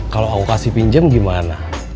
kalau aku kasih pinjam gimana